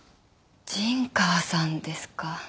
陣川さんですか？